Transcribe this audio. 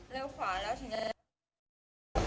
เร็วขวาแล้วฉันจะเรียก